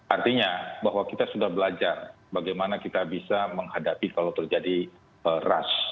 artinya bahwa kita sudah belajar bagaimana kita bisa menghadapi kalau terjadi rush